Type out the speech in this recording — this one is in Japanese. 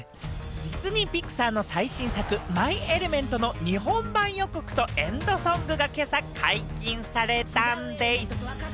ディズニー＆ピクサーの最新作『マイ・エレメント』の日本版予告とエンドソングが今朝解禁されたんでぃす。